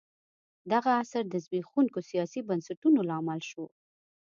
دغه عصر د زبېښونکو سیاسي بنسټونو لامل شو.